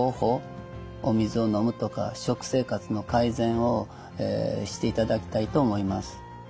お水を飲むとか食生活の改善をしていただきたいと思います。